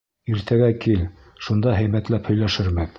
Иртәгә кил, шунда һәйбәтләп һөйләшербеҙ.